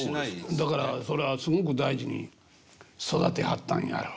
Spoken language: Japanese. だからそりゃすごく大事に育てはったんやろう。